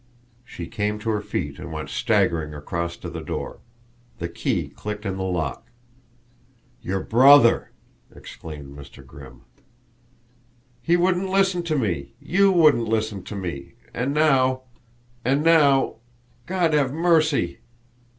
She came to her feet and went staggering across to the door. The key clicked in the lock. "Your brother!" exclaimed Mr. Grimm. "He wouldn't listen to me you wouldn't listen to me, and now and now! God have mercy!"